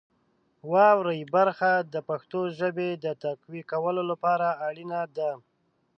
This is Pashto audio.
واورئ برخه د پښتو ژبې د تقویه کولو لپاره اړینه ده.